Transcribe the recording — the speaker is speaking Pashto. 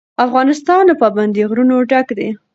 افغانستان له پابندی غرونه ډک دی.